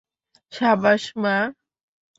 সাবাশ, মা।